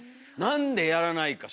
なんでやらないか？